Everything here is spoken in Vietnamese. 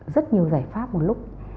rất nhiều giải pháp một lúc